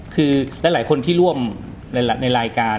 คือหลายคนที่ร่วมในรายการ